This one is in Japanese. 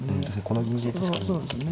この銀で確かに。